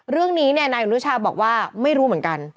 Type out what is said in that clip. เรื่องนี้เนี่ยนายอนุชาบอกว่าไม่รู้เหมือนกัน